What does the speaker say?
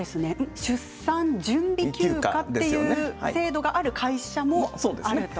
出産準備休暇という制度がある会社もあると。